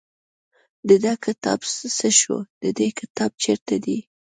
د ده کتاب څه شو د دې کتاب چېرته دی.